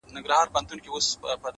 دا ځلي غواړم لېونی سم د هغې مینه کي ـ